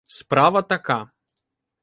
— Справа така.